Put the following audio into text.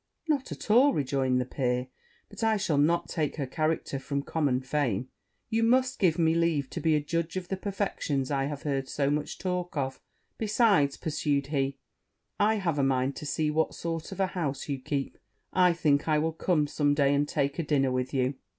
'Not at all,' rejoined the peer; 'but I shall not take her character from common fame you must give me leave to be a judge of the perfections I have heard so much talk of: besides,' pursued he, 'I have a mind to see what sort of a house you keep; I think I will come some day, and take a dinner with you.'